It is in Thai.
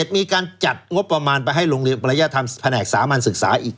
มีการจัดงบประมาณไปให้โรงเรียนปริยธรรมแผนกสามัญศึกษาอีก